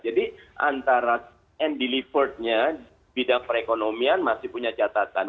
jadi antara yang di delivered nya bidang perekonomian masih punya catatan